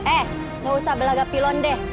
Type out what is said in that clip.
eh gak usah belagak pilon deh